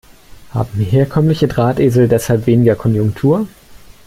Haben herkömmliche Drahtesel deshalb weniger Konjunktur?